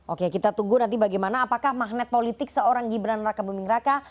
oke kita tunggu nanti bagaimana apakah magnet politik seorang gibran raka buming raka